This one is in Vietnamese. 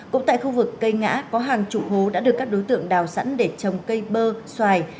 cũng tại khu vực cây ngã có hàng chục hố đã được các đối tượng đào sẵn để trồng cây bơ xoài